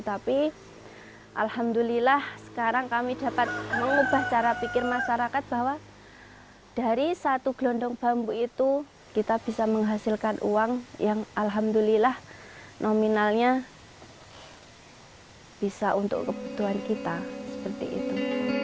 tapi alhamdulillah sekarang kami dapat mengubah cara pikir masyarakat bahwa dari satu gelondong bambu itu kita bisa menghasilkan uang yang alhamdulillah nominalnya bisa untuk kebutuhan kita seperti itu